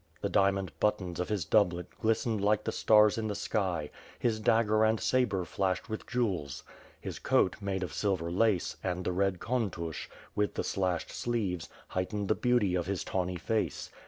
The diamond buttons of his doublet glistened like the stars in the sky; his dagger and sabre flashed with jewels. His coat, made of silver lace, and the red Kontush, A^ath the slashed sleeves, heightened the beauty of his tawny face.